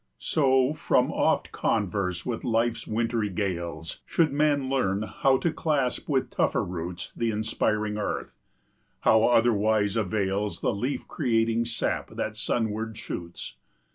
So, from oft converse with life's wintry gales, 25 Should man learn how to clasp with tougher roots The inspiring earth; how otherwise avails The leaf creating sap that sunward shoots?